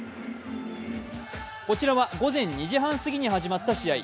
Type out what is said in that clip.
こちらは午前２時半すぎに始まった試合。